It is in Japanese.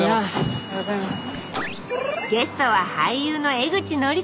おはようございます。